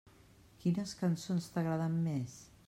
Quines cançons t'agraden més?